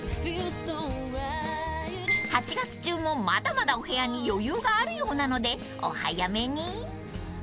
［８月中もまだまだお部屋に余裕があるようなのでお早めに］